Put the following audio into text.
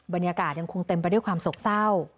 บรรยากาศยังคงเต็มไปด้วยความโศกเศร้า